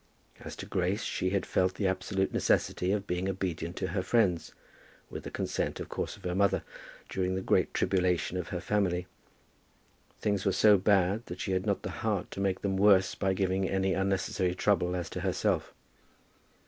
As to Grace, she had felt the absolute necessity of being obedient to her friends, with the consent of course of her mother, during the great tribulation of her family. Things were so bad that she had not the heart to make them worse by giving any unnecessary trouble as to herself.